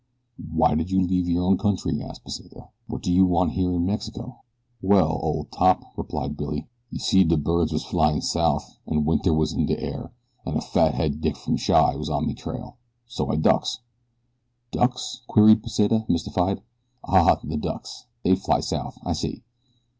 "Why did you leave your own country?" asked Pesita. "What do you want here in Mexico?" "Well, ol' top," replied Billy, "you see de birds was flyin' south an' winter was in de air, an a fat head dick from Chi was on me trail so I ducks." "Ducks?" queried Pesita, mystified. "Ah, the ducks they fly south, I see."